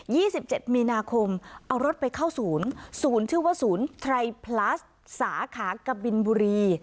สิบเจ็ดมีนาคมเอารถไปเข้าศูนย์ศูนย์ชื่อว่าศูนย์ไทพลัสสาขากบินบุรี